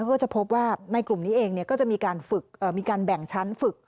ก็จะพบว่าในกลุ่มนี้เองก็จะมีการฝึกมีการแบ่งชั้นฝึก